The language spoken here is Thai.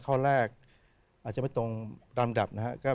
ข้อแรกอาจจะไม่ตรงตามดับนะครับ